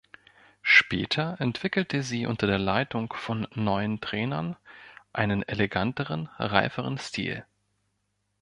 Später entwickelte sie unter der Leitung von neuen Trainern einen eleganteren, reiferen Stil.